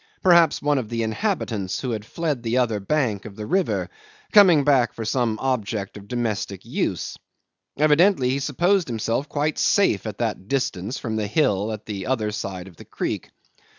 Perhaps one of the inhabitants, who had fled to the other bank of the river, coming back for some object of domestic use. Evidently he supposed himself quite safe at that distance from the hill on the other side of the creek.